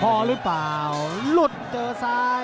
พอหรือเปล่าหลุดเจอซ้าย